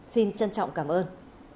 xin trân trọng cảm ơn